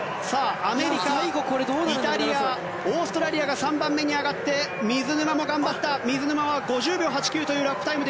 アメリカ、イタリアオーストラリアが３番目に上がって水沼も頑張った５０秒８９というタイム。